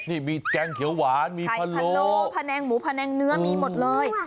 นี่มีแกงเขียวหวานมีพะโลแผนงหมูพะแนงเนื้อมีหมดเลย